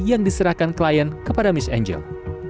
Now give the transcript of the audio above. yang diserahkan klien kepada miss angel